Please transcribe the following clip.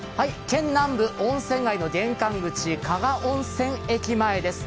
県南部、温泉街の玄関口、加賀温泉駅前です。